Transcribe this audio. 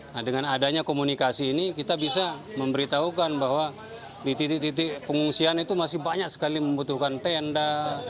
nah dengan adanya komunikasi ini kita bisa memberitahukan bahwa di titik titik pengungsian itu masih banyak sekali membutuhkan tenda